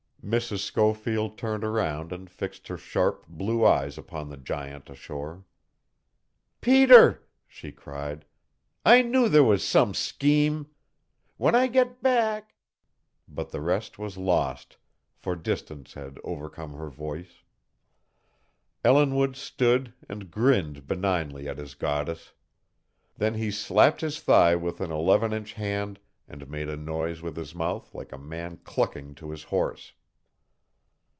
Mrs. Schofield turned around and fixed her sharp, blue eyes upon the giant ashore. "Peter!" she cried. "I knew there was some scheme. When I get back " But the rest was lost, for distance had overcome her voice. Ellinwood stood and grinned benignly at his goddess. Then he slapped his thigh with an eleven inch hand and made a noise with his mouth like a man clucking to his horse.